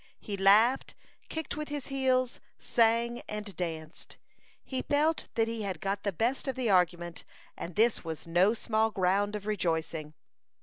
He laughed, kicked with his heels, sang and danced. He felt that he had got the best of the argument, and this was no small ground of rejoicing.